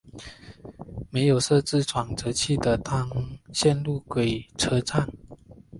没有设置转辙器的单线路轨车站。